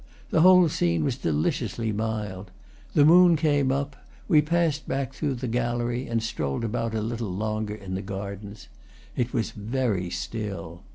The whole scene was deliciously mild. The moon came up; we passed back through the gallery and strolled about a little longer in the gardens. It was very still.